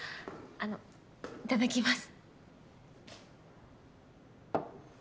あのいただきます。